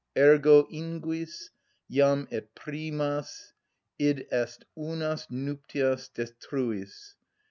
Ergo, inguis, jam et primas, id est unas nuptias destruis?